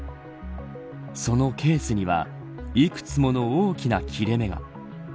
そのケースにはいくつもの大きな切れ目が。